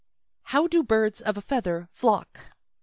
"How do birds of a feather flock?"